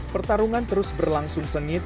pertarungan terus berlangsung sengit